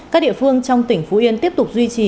các địa phương trong tỉnh phú yên tiếp tục duy trì